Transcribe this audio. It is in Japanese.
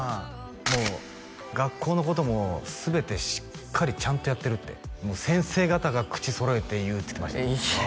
「もう学校のことも全てしっかりちゃんとやってる」って「先生方が口揃えて言う」って言ってました